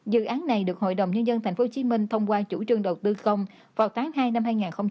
dự án này được hội đồng nhân dân tp hcm thông qua chủ trương đầu tư không vào tháng hai năm hai nghìn một mươi chín